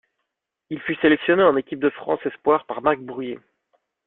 Il fut sélectionné en équipe de France espoirs par Marc Bourrier.